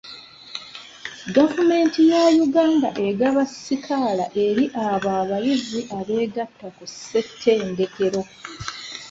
Gavumenti ya Uganda egaba sikaala eri abo abayizi abeegatta ku ssettendekero.